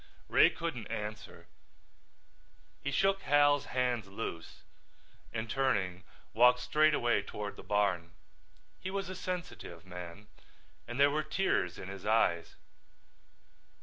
Ray couldn't answer. He shook Hal's hands loose and turning walked straight away toward the barn. He was a sensitive man and there were tears in his eyes.